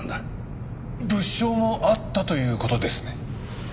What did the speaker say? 物証もあったという事ですね？